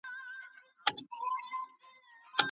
مېلمستون بې فرش نه وي.